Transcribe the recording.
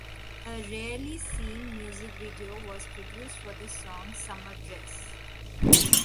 A rarely seen music video was produced for the song Summer Dress.